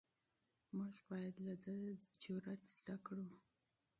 موږ باید له ده جرئت زده کړو.